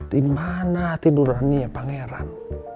di mana tidurannya ya pangeran